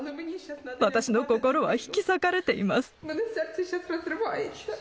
私の心は引き裂かれています。